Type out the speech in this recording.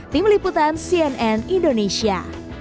tim liputan cnn indonesia